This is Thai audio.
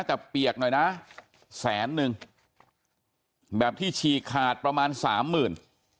แต่เปียกหน่อยนะแสนนึงแบบที่ฉีกขาดประมาณสามหมื่น